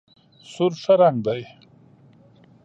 سور ښه رنګ دی.